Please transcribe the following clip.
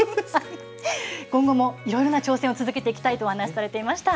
今後もいろいろな挑戦を続けていきたいとお話されていました。